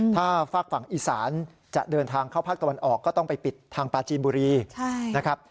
ถ้าฝากฝั่งอีสานจะเดินทางเข้าภาคตะวันออกก็ต้องไปปิดทางปลาจีนบุรีนะครับ